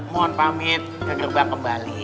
mohon pamit ke gerbang kembali